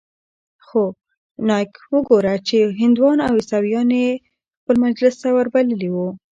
خو نايک وګوره چې هندوان او عيسويان يې خپل مجلس ته وربللي وو.